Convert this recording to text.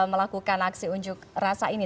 melakukan aksi unjuk rasa ini